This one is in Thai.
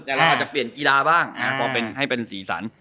แต่เราอาจจะเปลี่ยนกีฬาบ้างก็ให้เป็นสีสัน